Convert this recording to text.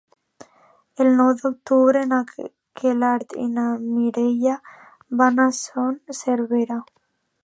El nou d'octubre na Queralt i na Mireia van a Son Servera.